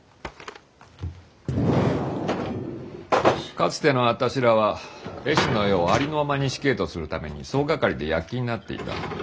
かつてのあたしらは絵師の絵をありのまま錦絵とするために総がかりで躍起になっていた。